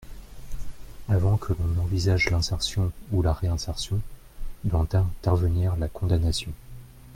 Avant que l’on n’envisage l’insertion ou la réinsertion, doit intervenir la condamnation.